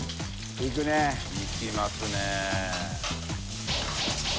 いきますね。